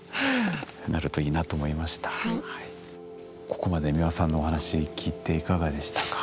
ここまで美輪さんのお話聞いていかがでしたか？